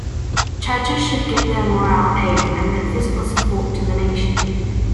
Churches should give their moral aid and their physical support to the nation.